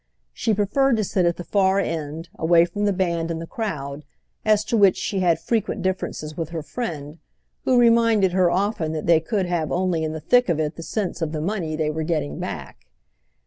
She preferred to sit at the far end, away from the band and the crowd; as to which she had frequent differences with her friend, who reminded her often that they could have only in the thick of it the sense of the money they were getting back.